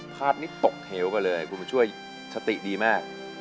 ภาพนี้ตกเหวกันเลยคุณบุญช่วยสติดีมาก